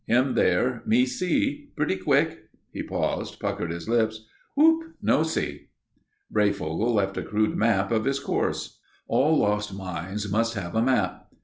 "Him there, me see. Pretty quick—" He paused, puckered his lips. "Whoop—no see." Breyfogle left a crude map of his course. All lost mines must have a map.